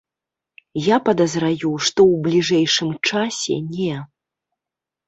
Я падазраю, што ў бліжэйшым часе не.